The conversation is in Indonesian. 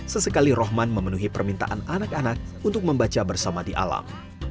sesekali rohman memenuhi permintaan anak anak untuk membaca bersama di alam